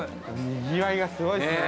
◆にぎわいがすごいっすね。